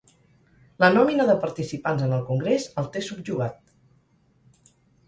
La nòmina de participants en el congrés el té subjugat.